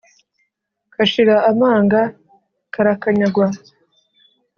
Kashira amanga karakanyagwa.